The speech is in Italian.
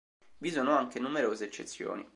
Vi sono anche numerose eccezioni.